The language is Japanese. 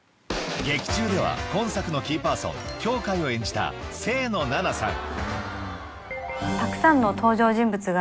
劇中では今作のキーパーソン羌を演じた清野菜名さん